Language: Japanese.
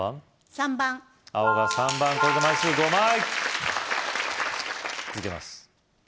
３番青が３番これで枚数５枚続けます